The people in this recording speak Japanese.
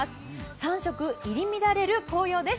三色入り乱れる紅葉です